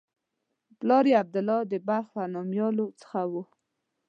پلار یې عبدالله د بلخ له نومیالیو څخه و.